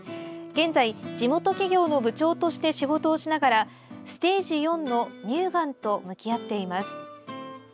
現在、地元企業の部長として仕事をしながらステージ４の乳がんと向き合っています。